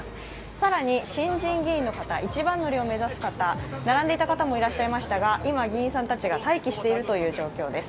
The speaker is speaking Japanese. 更に新人議員の方、一番乗りを目指す方、並んでいた方もいらっしゃいましたが、今議員さんたちが待機している状態です。